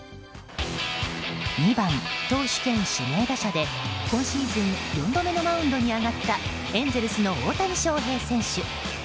２番投手兼指名打者で今シーズン４度目のマウンドに上がったエンゼルスの大谷翔平選手。